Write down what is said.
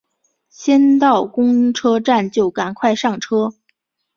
先到公车站就赶快上车